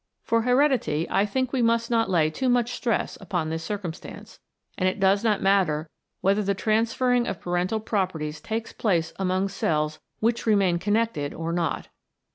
For heredity I think we must not lay too much stress upon this circumstance, and it does not matter whether the transferring of parental properties takes place among cells which remain connected or not.